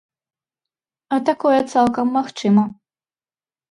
А такое цалкам магчыма.